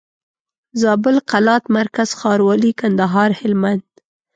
زابل قلات مرکز ښاروالي کندهار هلمند